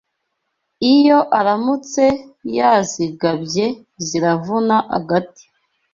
Iyo aramutse yazigabye ziravuna agati